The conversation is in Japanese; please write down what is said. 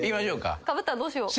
かぶったらどうしよう。